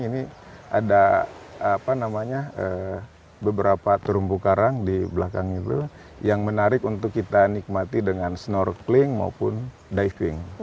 ini ada beberapa terumbu karang di belakang itu yang menarik untuk kita nikmati dengan snorkeling maupun diving